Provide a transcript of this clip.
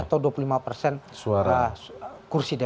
atau dua puluh lima persen suara kursi dpr